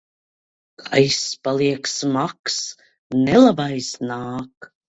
Gaiss paliek smags. Nelabais nāk!